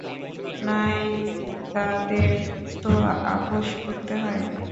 নায়িকাদের তো আপোস করতে হয়।